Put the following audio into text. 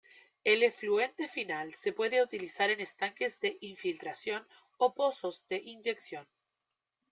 El efluente final se puede utilizar en estanques de infiltración o pozos de inyección.